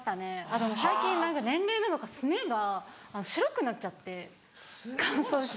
でも最近何か年齢なのかすねが白くなっちゃって乾燥して。